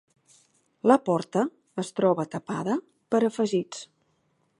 La porta es troba tapada per afegits.